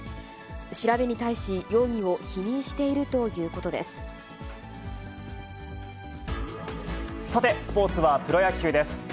調べに対し、容疑を否認しているさて、スポーツはプロ野球です。